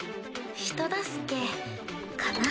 人助けかな。